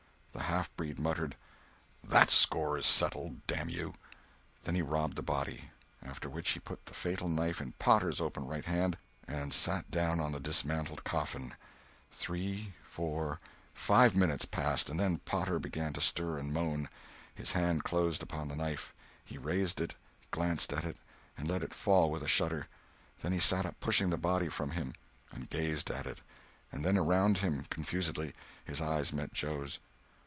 The half breed muttered: "That score is settled—damn you." Then he robbed the body. After which he put the fatal knife in Potter's open right hand, and sat down on the dismantled coffin. Three—four—five minutes passed, and then Potter began to stir and moan. His hand closed upon the knife; he raised it, glanced at it, and let it fall, with a shudder. Then he sat up, pushing the body from him, and gazed at it, and then around him, confusedly. His eyes met Joe's.